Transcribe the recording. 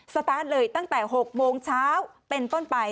สตาร์ทเลยตั้งแต่๖โมงเช้าเป็นต้นไป